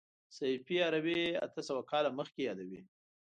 سیفي هروي اته سوه کاله مخکې یادوي.